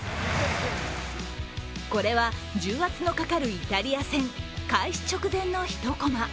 これは重圧のかかるイタリア戦、開始直前の一コマ。